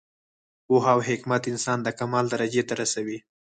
پوهه او حکمت انسان د کمال درجې ته رسوي.